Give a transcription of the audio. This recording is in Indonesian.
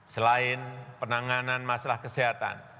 selain penanganan masalah kesehatan